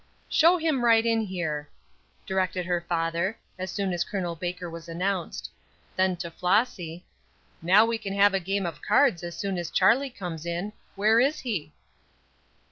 "Show him right in here," directed her father, as soon as Col. Baker was announced. Then to Flossy: "Now we can have a game at cards as soon as Charlie comes in. Where is he?"